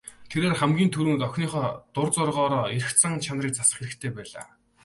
Тэрээр хамгийн түрүүнд охины дур зоргоороо эрх зан чанарыг засах хэрэгтэй байлаа.